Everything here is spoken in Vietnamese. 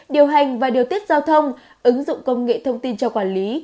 điều hành và điều tiết giao thông ứng dụng công nghệ thông tin cho quản lý